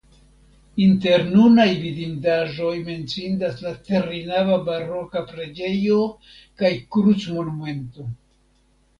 Inter nunaj vidindaĵoj menciindas la trinava baroka preĝejo kaj krucmonumento.